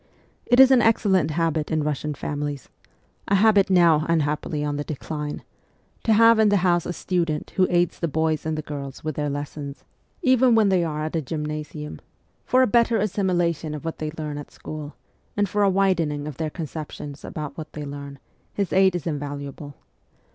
It is an excellent habit in Russian families a habit now, un happily, on the decline to have in the house a student who aids the boys and the girls with their lessons, even 7G MEMOIRS OF A REVOLUTIONIST when they are at a gymnasium. For a better assimila tion of what they learn at school, and for a widening of their conceptions about what they learn, his aid is invaluable.